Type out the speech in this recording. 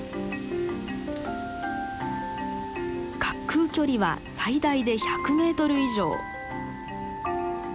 滑空距離は最大で１００メートル以上。